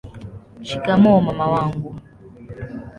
shikamoo mama wangu